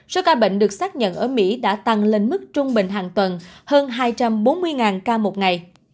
số ca bệnh được xác nhận ở mỹ đã tăng lên mức trung bình hàng tuần hơn hai trăm bốn mươi ca một ngày